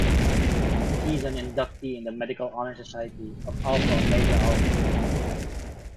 He is an inductee in the medical honor society of Alpha Omega Alpha.